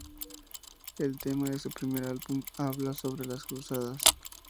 El tema de su primer álbum habla sobre las cruzadas.